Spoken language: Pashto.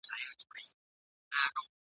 موږ ته قسمت پر کنډوونو ورکي لاري کښلي ..